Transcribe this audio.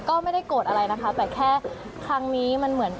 ก็ไม่ได้โกรธอะไรนะคะแต่แค่ครั้งนี้มันเหมือน